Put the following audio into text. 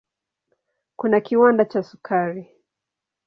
Kuna kiwanda cha sukari.